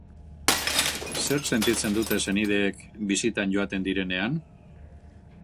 Zer sentitzen dute senideek bisitan joaten direnean?